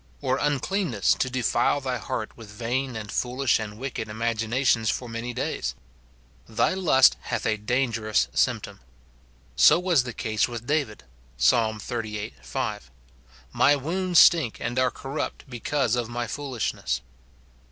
or uncleanness to defile thy heart with vain, and foolish, and wicked imaginations for many days ? Thy lust hath a dangerous symptom. So was the case with David : Psa. xxxviii. 5, " My wounds stink and are corrupt because of my foolishness."